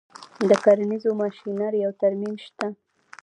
د کرنیزو ماشینریو ترمیم شته